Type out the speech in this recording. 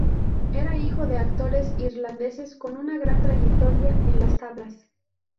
Era hijo de actores irlandeses con una gran trayectoria en las tablas.